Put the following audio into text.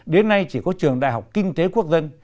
đến nay chỉ có trường đại học kinh tế quốc dân